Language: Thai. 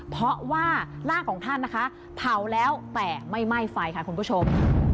เพราะว่าร่างของท่านนะคะเผาแล้วแต่ไม่ไหม้ไฟค่ะคุณผู้ชม